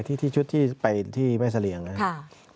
ที่ชุดที่ไปที่แม่เสลี่ยงนะครับ